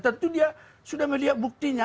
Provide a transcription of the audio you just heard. tentu dia sudah melihat buktinya